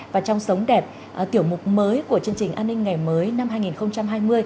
và trong sống đẹp tiểu mục mới của chương trình an ninh ngày mới năm hai nghìn hai mươi